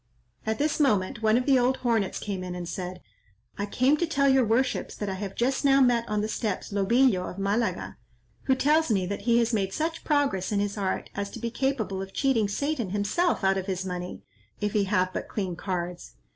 At this moment one of the old hornets came in and said, "I come to tell your worships that I have just now met on the steps, Lobillo of Malaga, who tells me that he has made such progress in his art as to be capable of cheating Satan himself out of his money, if he have but clean cards.